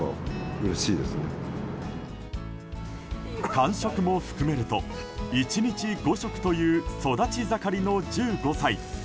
間食も含めると１日５食という育ち盛りの１５歳。